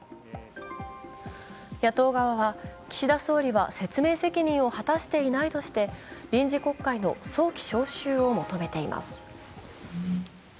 野党側は、岸田総理は説明責任を果たしていないとして臨時国会の早期召集を求めています。